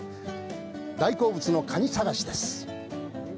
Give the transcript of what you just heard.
大好物のカニ探しです！